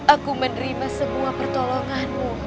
aku menerima semua pertolonganmu